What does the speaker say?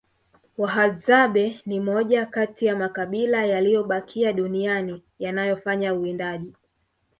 wahadzabe ni moja Kati ya makabila yaliyobakia duniani yanayofanya uwindaji